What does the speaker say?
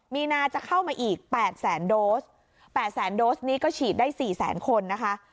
มีนาจะเข้ามาอีก๘แสนโดส๘แสนโดสนี้ก็ฉีดได้๔แสนคนนะคะ